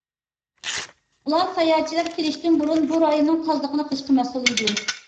ئۇلار ساياھەتچىلەر كېلىشتىن بۇرۇن بۇ رايوننىڭ تازىلىقىنى قىلىشقا مەسئۇل ئىدى.